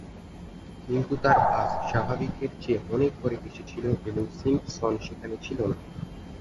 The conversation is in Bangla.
কিন্তু তার বাস স্বাভাবিকের চেয়ে অনেক পরে এসেছিল এবং সিম্পসন সেখানে ছিল না।